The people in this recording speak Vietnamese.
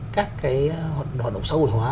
các cái hoạt động sâu hồi hóa